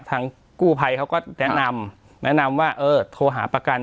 ทางกู้ภัยเขาก็แนะนำแนะนำว่าเออโทรหาประกัน